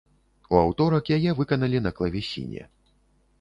У аўторак яе выканалі на клавесіне.